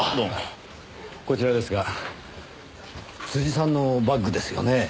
こちらですが辻さんのバッグですよねぇ。